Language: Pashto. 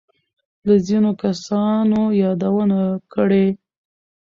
له ځینو کسانو يادونه کړې.